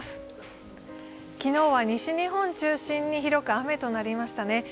昨日は西日本を中心に広く雨となりましたね。